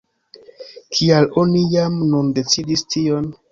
Kial oni jam nun decidis tion?